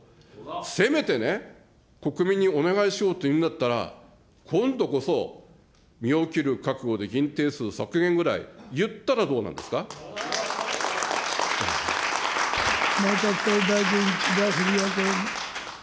せめてね、国民にお願いしようというんだったら、今度こそ身を切る覚悟で議員定数削減ぐらい言ったらどうなんです内閣総理大臣、岸田文雄君。